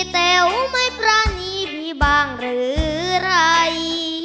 แต๋วไม่ปรานีพี่บ้างหรือไร